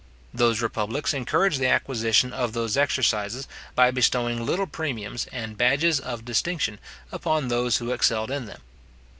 Those republics encouraged the acquisition of those exercises, by bestowing little premiums and badges of distinction upon those who excelled in them.